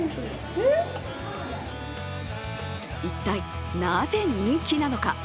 一体なぜ人気なのか。